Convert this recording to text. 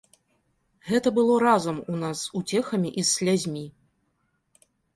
Гэта было разам у нас з уцехамі і з слязьмі.